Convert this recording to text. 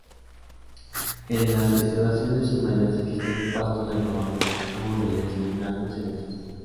En las estribaciones húmedas existen pastos de algodón, abedules enanos y alisos.